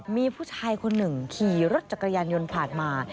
มีผู้ชายคนหนึ่งขี่รถจักรยานยนต์ผ่านมา